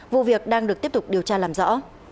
vụ việc đang được tiếp tục điều tra làm rõ